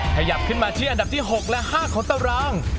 ขยับขึ้นมาที่อันดับที่๖และ๕ของตาราง